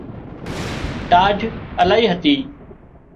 ٽاڍ الاهي هتي